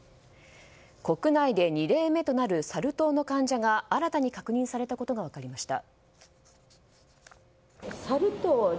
国内で２例目となるサル痘の患者が新たに確認されたことが分かりました。